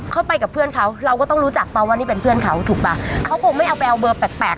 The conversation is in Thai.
เขาไปกับเพื่อนเขาเราก็ต้องรู้จักเปล่าว่านี่เป็นเพื่อนเขาถูกป่ะเขาคงไม่เอาไปเอาเบอร์แปลกแปลก